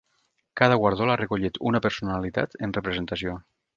Cada guardó l’ha recollit una personalitat en representació.